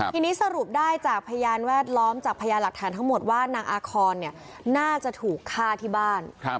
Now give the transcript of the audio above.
ทีนี้สรุปได้จากพยานแวดล้อมจากพยานหลักฐานทั้งหมดว่านางอาคอนน่าจะถูกฆ่าที่บ้าน